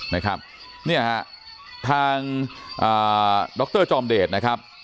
นะครับเนี่ยฮะทางดรจอมเดชนะครับ